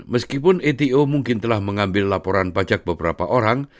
meskipun ato mungkin telah mengambil laporan pajak beberapa orang